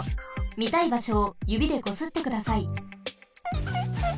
みたいばしょをゆびでこすってください。